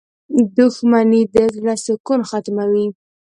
• دښمني د زړۀ سکون ختموي.